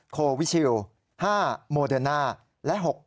๔โควิชิล๕โมเดอร์น่า